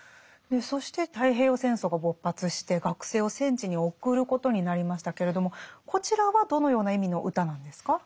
そして太平洋戦争が勃発して学生を戦地に送ることになりましたけれどもこちらはどのような意味の歌なんですか？